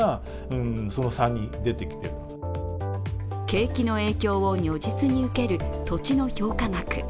景気の影響を如実に受ける土地の評価額。